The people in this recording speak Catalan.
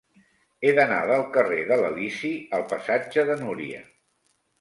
He d'anar del carrer de l'Elisi al passatge de Núria.